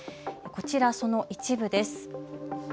こちら、その一部です。